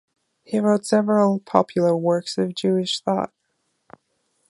He wrote several popular works of Jewish thought.